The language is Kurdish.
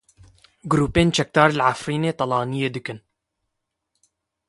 Grûpên çekdar li Efrînê talaniyê dikin.